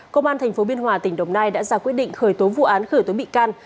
công an tp biên hòa tỉnh đồng nai đã ra quyết định khởi tố vụ án khởi tố bị can